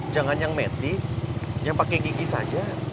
jangan yang metik yang pake gigi saja